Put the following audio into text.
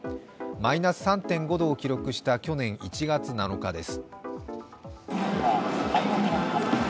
マイナス３．５度を記録した去年１月７日です。